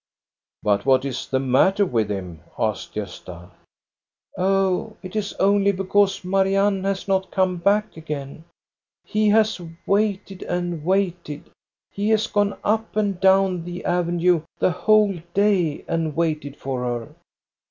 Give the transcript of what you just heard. "But what is the matter with him? " asked Gosta. " Oh, it is only because Marianne has not come back again. He has waited and waited. He has gone up and down the avenue the whole day and waited for her.